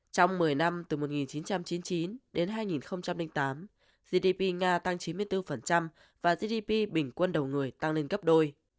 trong một mươi năm từ một nghìn chín trăm chín mươi chín đến hai nghìn tám gdp nga tăng chín mươi bốn và gdp bình quân đầu người tăng lên gấp đôi